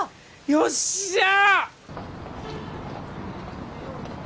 よっしゃー！